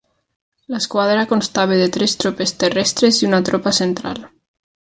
L'esquadra constava de tres tropes terrestres i una tropa central.